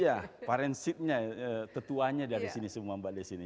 ya parentshipnya tetuanya dari sini semua mbak desy ini